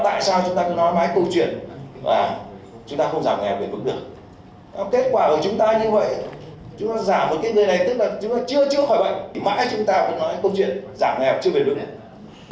mãi chúng ta cứ nói câu chuyện giảm nghèo chưa biệt vững